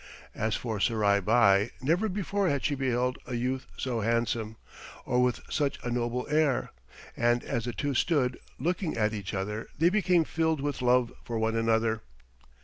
As for Surai Bai, never before had she beheld a youth so handsome, or with such a noble air, and as the two stood looking at each other they became filled with love for one another.